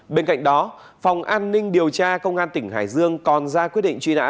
bên cạnh đó phòng an ninh điều tra công an tỉnh hải dương còn ra quyết định truy nã